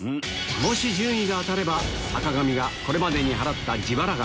もし順位が当たれば坂上がこれまでに払った自腹額